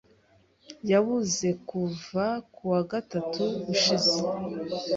Yabuze kuva ku wa gatatu ushize.